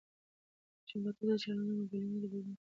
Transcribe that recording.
د جنراتور د چالان او مبلينو د بدلولو څخه بې خبري ښوول.